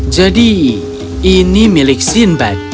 jadi ini milik simbad